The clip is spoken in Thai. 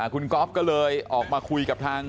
คุณก๊อฟก็เลยออกมาคุยกับทาง